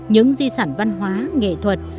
những di sản văn hóa nghệ thuật